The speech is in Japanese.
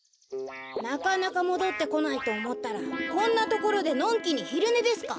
なかなかもどってこないとおもったらこんなところでのんきにひるねですか。